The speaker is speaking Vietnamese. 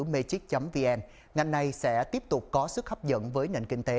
matic vn ngành này sẽ tiếp tục có sức hấp dẫn với nền kinh tế